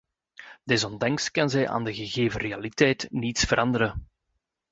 Desondanks kan zij aan de gegeven realiteit niets veranderen.